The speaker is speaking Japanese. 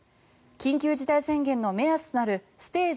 緊急事態宣言の目安となるステージ